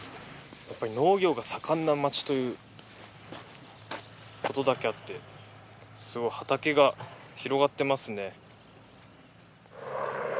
やっぱり農業が盛んな町ということだけあってすごい畑が広がってますね。